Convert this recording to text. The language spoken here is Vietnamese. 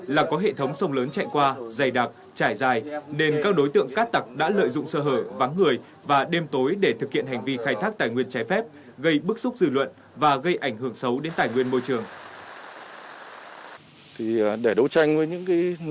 là có hệ thống sông lớn chạy qua dày đặc trải dài nên các đối tượng cát tặc đã lợi dụng sơ hở vắng người và đêm tối để thực hiện hành vi khai thác tài nguyên trái phép gây bức xúc dư luận và gây ảnh hưởng xấu đến tài nguyên môi trường